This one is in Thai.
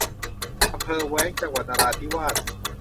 อำเภอแว้ง จังหวัดนราธิวาส